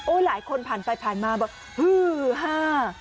หลายคนผ่านไปผ่านมาบอกฮือฮ่า